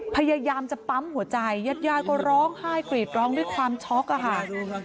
พยายามจะปั๊มหัวใจยาดก็ร้องไห้กรีดร้องด้วยความช็อกอะค่ะ